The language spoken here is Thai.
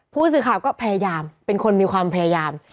ผู้สื่อข่าวก็พยายามเป็นคนมีความพยายาม